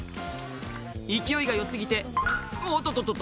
勢いがよすぎて、おっとととと。